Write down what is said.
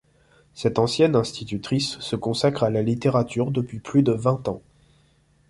Cette ancienne institutrice se consacre à la littérature depuis plus de vingt ans.